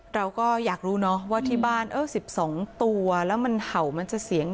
เราก็อยากรู้เนอะว่าที่บ้าน๑๒ตัวแล้วมันเห่ามันจะเสียง